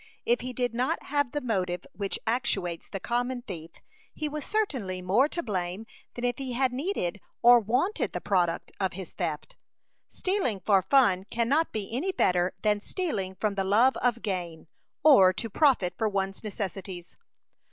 If he did not have the motive which actuates the common thief, he was certainly more to blame than if he had needed or wanted the product of his theft. Stealing for fun cannot be any better than stealing from the love of gain, or to provide for one's necessities.